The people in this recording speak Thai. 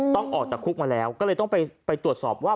ต้องออกจากคุกมาแล้วก็เลยต้องไปตรวจสอบว่า